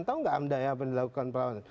tahu nggak amdaya apa yang dilakukan perlawanan